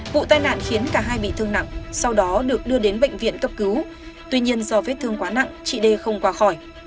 vụ tai nạn khiến cả hai bị thương nặng sau đó được đưa đến bệnh viện cấp cứu tuy nhiên do vết thương quá nặng chị đê không qua khỏi